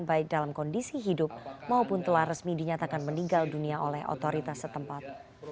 baik dalam kondisi hidup maupun telah resmi dinyatakan meninggal dunia oleh otoritas setempat